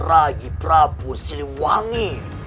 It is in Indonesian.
rai prabu siluwangi